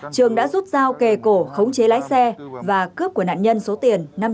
trường đã rút rao kề cổ khống chế lái xe và cướp của nạn nhân số tiền